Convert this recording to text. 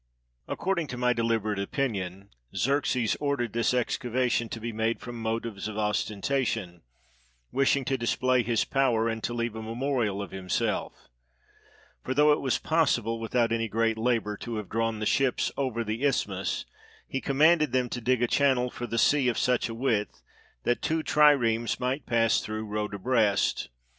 According to my deliberate opinion, Xerxes ordered this excavation to be made from motives of ostentation, wishing to display his power, and to leave a memorial of himself; for though it was possible, without any great labor, to have drawn the ships over the isthmus, he com manded them to dig a channel for the sea of such a width that two triremes might pass through rowed abreast.